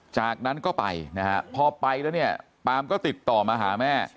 จากนั้นก็ไปนะฮะพอไปแล้วเนี่ยปามก็ติดต่อมาหาแม่